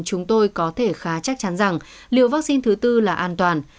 chúng tôi có thể khá chắc chắn rằng liều vaccine thứ tư là an toàn